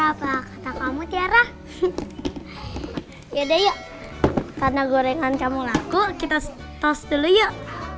apa kata kamu kiara yaudah yuk karena gorengan kamu laku kita tos dulu yuk